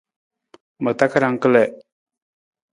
Ma takarang kalii.